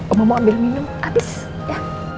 omah mau ambil minum abis ya